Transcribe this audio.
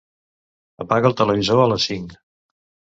Apaga el televisor a les cinc.